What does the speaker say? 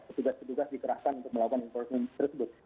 petugas petugas dikerahkan untuk melakukan informasi tersebut